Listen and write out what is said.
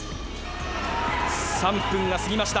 ３分が過ぎました。